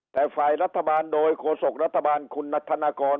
แต่ฝ่ายรัฐบาลโดยโฆษกรัฐบาลคุณนัทธนากร